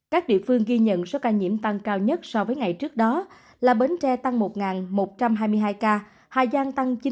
các địa phương ghi nhận số ca nhiễm tăng cao nhất so với ngày trước đó là bến tre tăng một một trăm hai mươi hai ca hà giang tăng chín trăm một mươi ba ca